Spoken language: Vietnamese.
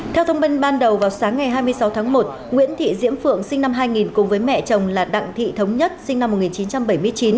theo thông tin ban đầu vào sáng ngày hai mươi sáu tháng một nguyễn thị diễm phượng sinh năm hai nghìn cùng với mẹ chồng là đặng thị thống nhất sinh năm một nghìn chín trăm bảy mươi chín